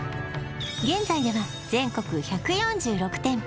現在では全国１４６店舗